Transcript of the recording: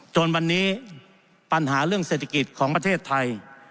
จนวันนี้ปัญหาเรื่องเศรษฐกิจของประเทศไทย